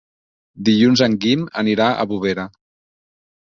Dilluns en Guim anirà a Bovera.